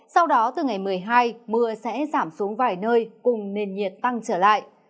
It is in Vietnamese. sau đó từ ngày một mươi hai mưa sẽ giảm xuống vài nơi cùng nền nhiệt tăng trở lại